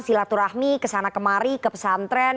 silaturahmi kesana kemari ke pesantren